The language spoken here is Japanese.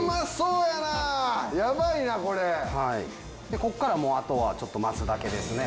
ここからもうあとはちょっと待つだけですね。